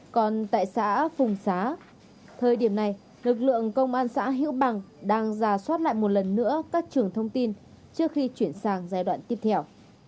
còn tại xã phùng xá thời điểm này lực lượng công an xã hữu bằng đang ra soát lại một lần nữa các trường thông tin trước khi chuyển sang giai đoạn tiếp theo